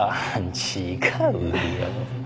違うよ。